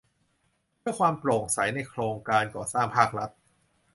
เพื่อความโปร่งใสในโครงการก่อสร้างภาครัฐ